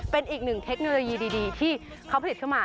เป็นอีกหนึ่งเทคโนโลยีดีที่เขาผลิตเข้ามา